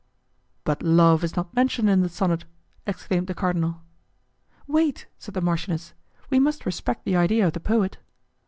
"But Love is not mentioned in the sonnet," exclaimed the cardinal. "Wait," said the marchioness, "we must respect the idea of the poet."